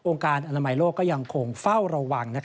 การอนามัยโลกก็ยังคงเฝ้าระวัง